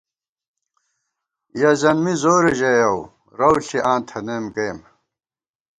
یَہ زَن می زورے ژَیَؤ، رَوݪی آں تھنَئیم گَئیم